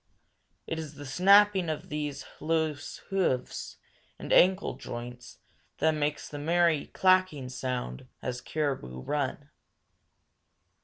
It is the snapping of these loose hoofs and ankle joints that makes the merry clacking sound as caribou run.